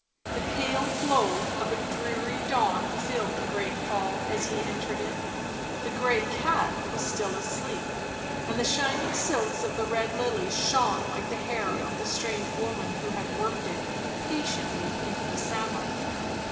The pale glow of a dreary dawn filled the great hall as he entered it; the grey cat was still asleep, and the shining silks of the red lily shone like the hair of the strange woman who had worked it patiently into the samite.